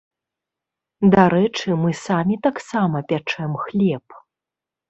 Дарэчы, мы самі таксама пячэм хлеб.